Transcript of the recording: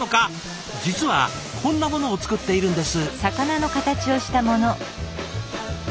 実はこんなものを作っているんです。